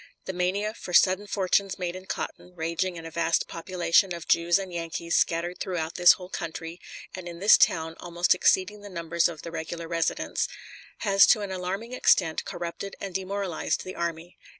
The mania for sudden fortunes made in cotton, raging in a vast population of Jews and Yankees scattered throughout this whole country, and in this town almost exceeding the numbers of the regular residents, has to an alarming extent corrupted and demoralized the army.